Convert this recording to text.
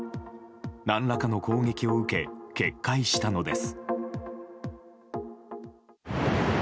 何らかの攻撃を受け決壊したのです。